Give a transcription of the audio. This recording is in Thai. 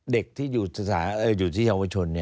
เด็กที่อยู่ที่เยาวชน